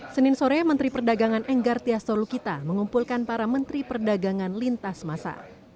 senin sore menteri perdagangan enggar tias tolukita mengumpulkan para menteri perdagangan lintas masa